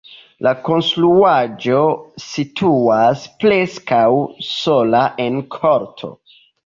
La konstruaĵo situas preskaŭ sola en korto.